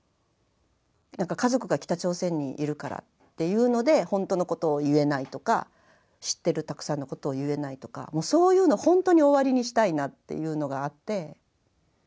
家族が北朝鮮にいるからっていうのでほんとのことを言えないとか知ってるたくさんのことを言えないとかもうそういうのほんとに終わりにしたいなっていうのがあって。